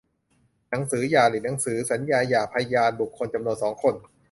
หนังสือหย่าหรือหนังสือสัญญาหย่า พยานบุคคลจำนวน สอง คน